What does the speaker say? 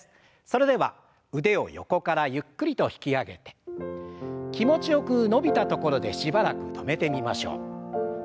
それでは腕を横からゆっくりと引き上げて気持ちよく伸びたところでしばらく止めてみましょう。